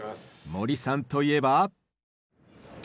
森さんといえば。